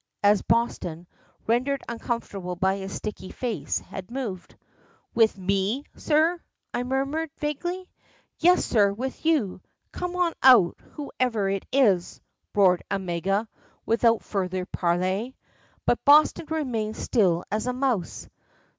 as Boston, rendered uncomfortable by his sticky face, had moved. "With me, sir?" I murmured, vaguely. "Yes, sir, with you. Come out, whoever it is!" roared Omega, without further parley. But Boston remained still as a mouse.